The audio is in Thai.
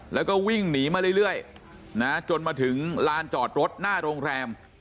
แล้วก็วิ่งหนีมาเรื่อยจนมาถึงลานจอดรถหน้าโรงแรม